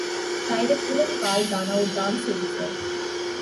طائرک بلند بال دانہ و دام سے گزر